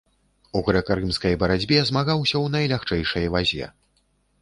У грэка-рымскай барацьбе змагаўся ў найлягчэйшай вазе.